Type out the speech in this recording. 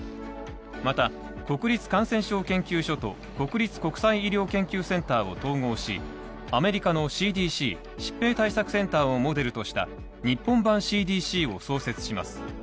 また、国立感染症研究所と国立国際医療研究センターを統合し、アメリカのＣＤＣ＝疾病対策センターをモデルとした日本版ＣＤＣを創設します。